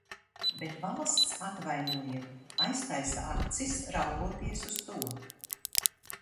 Bet valsts, atvainojiet, aiztaisa acis, raugoties uz to.